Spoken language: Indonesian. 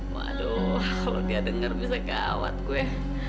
waduh kalau dia denger bisa gawat gue